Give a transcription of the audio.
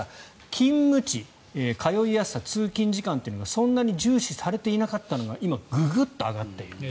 勤務地、通いやすさ通勤時間というのがそんなに重視されていなかったのが今、ググッと上がっている。